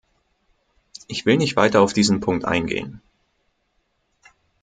Ich will nicht weiter auf diesen Punkt eingehen.